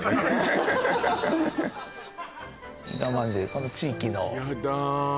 この地域のやだ